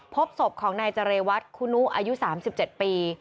พบศพของนายเจรวัตรคุณุอายุ๓๗ปี